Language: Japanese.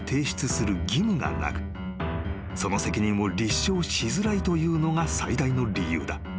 ［その責任を立証しづらいというのが最大の理由だ］